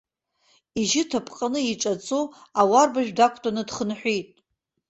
Ижьы ҭаԥҟаны иаҿаҵо, ауарбажә дақәтәаны дхынҳәит.